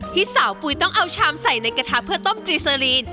ที่สาวปุ๋ยต้องเอาชามใส่ในกระทะเพื่อต้มตรีเซอร์ลีน